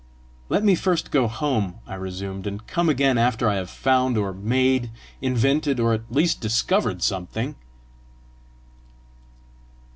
"Let me first go home," I resumed, "and come again after I have found or made, invented, or at least discovered something!"